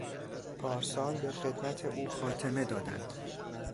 پارسال به خدمت او خاتمه دادند.